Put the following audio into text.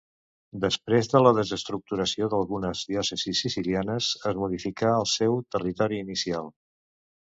Després de la desestructuració d'algunes diòcesis sicilianes, es modificà el seu territori inicial.